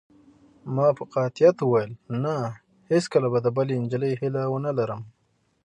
ما په قاطعیت وویل: نه، هیڅکله به د بلې نجلۍ هیله ونه لرم.